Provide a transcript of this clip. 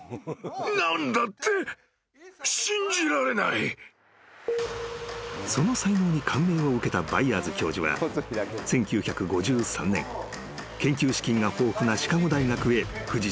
コリャ［その才能に感銘を受けたバイヤーズ教授は１９５３年研究資金が豊富なシカゴ大学へ藤田を呼び寄せた］